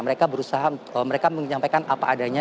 mereka menyampaikan apa adanya